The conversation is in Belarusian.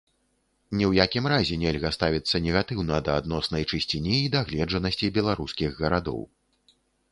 Ні ў якім разе нельга ставіцца негатыўна да адноснай чысціні і дагледжанасці беларускіх гарадоў.